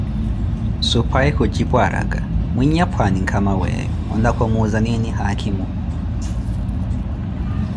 Suphayi kujipu araka, mwinya pwaani nkama weeyo ontaka omuuza nini haakhimo?